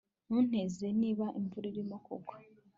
Ntunteze niba imvura irimo kugwa